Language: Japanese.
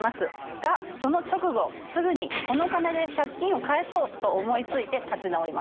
がその直後すぐに「この金で借金を返そう！」と思いついて立ち直ります。